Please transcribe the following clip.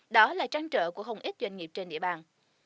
đó là trang trợ của không ít doanh nghiệp trên địa bàn